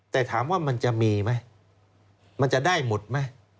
แต่ถามว่ามันจะมีมั้ยมันจะได้หมดมั้ย